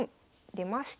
出ました。